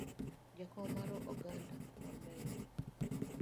Jakom mar oganda ma Meru,